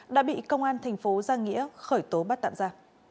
đã bị công an thành phố giang nghĩa khởi tố bắt tạm ra